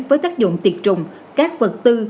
với tác dụng tiệt trùng các vật tư